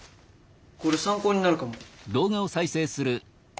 これ参考になるかも。